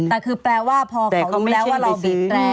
แต่คือแปลว่าพอเขารู้แล้วว่าเราบีบแปร